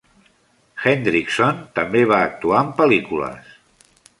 Hendrickson també va actuar en pel·lícules.